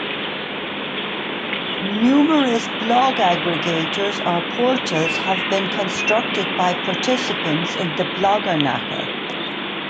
Numerous blog aggregators, or portals, have been constructed by participants in the Bloggernacle.